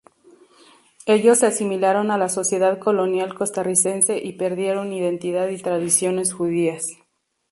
Ellos se asimilaron a la sociedad colonial costarricense y perdieron identidad y tradiciones judías.